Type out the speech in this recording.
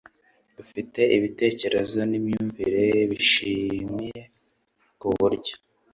ufite ibitekerezo n'imyumvire bishimiye ku buryo